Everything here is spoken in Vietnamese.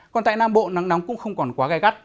còn tại nam bộ nắng nóng cũng không còn quá gai gắt